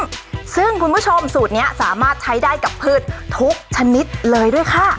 ซึ่งคุณผู้ชมสูตรนี้สามารถใช้ได้กับพืชทุกชนิดเลยด้วยค่ะ